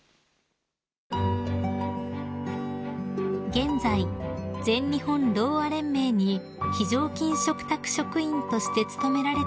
［現在全日本ろうあ連盟に非常勤嘱託職員として勤められている佳子さま］